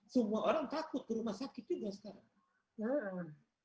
semua orang takut ke rumah sakit juga sekarang